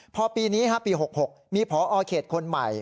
พอปีนี้ปี๖๖มีพอเขตคนใหม่